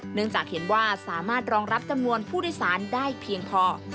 เนื่องจากเห็นว่าสามารถรองรับจำนวนผู้โดยสารได้เพียงพอ